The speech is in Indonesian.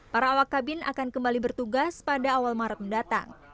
para awak kabin akan kembali bertugas pada awal maret mendatang